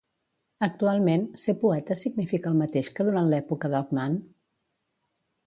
Actualment, ser poeta significa el mateix que durant l'època d'Alcman?